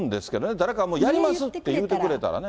誰かもうやりますって言うてくれたらね。